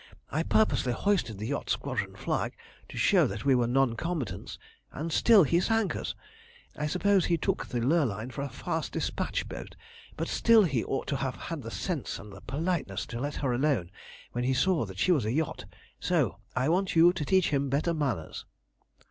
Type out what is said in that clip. I purposely hoisted the Yacht Squadron flag to show that we were non combatants, and still he sank us. I suppose he took the Lurline for a fast despatch boat, but still he ought to have had the sense and the politeness to let her alone when he saw she was a yacht, so I want you to teach him better manners."